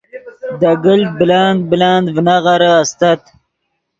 دے گلت بلند بلند ڤینغیرے استت